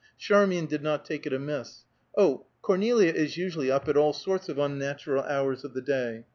Charmian did not take it amiss. "Oh, Cornelia is usually up at all sorts of unnatural hours of the day.